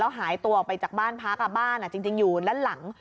แล้วหายตัวไปจากบ้านพ้ากลับบ้านจริงอยู่รั่นหลัง